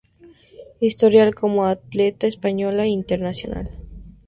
Historial como Atleta Española e Internacional.